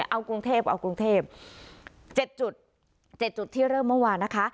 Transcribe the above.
เอากรุงเทพเอากรุงเทพ๗จุด๗จุดที่เริ่มเมื่อวานนะคะ